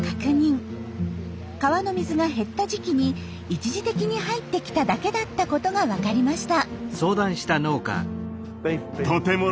川の水が減った時期に一時的に入ってきただけだったことが分かりました。